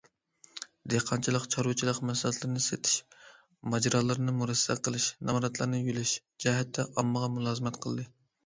دېھقانچىلىق، چارۋىچىلىق مەھسۇلاتلىرىنى سېتىش، ماجىرالارنى مۇرەسسە قىلىش، نامراتلارنى يۆلەش جەھەتتە ئاممىغا مۇلازىمەت قىلدى.